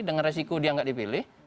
dengan resiko dia nggak dipilih